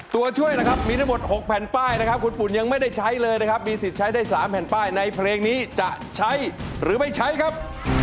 ตัวช่วยนะครับมีทั้งหมด๖แผ่นป้ายนะครับคุณปุ่นยังไม่ได้ใช้เลยนะครับมีสิทธิ์ใช้ได้๓แผ่นป้ายในเพลงนี้จะใช้หรือไม่ใช้ครับ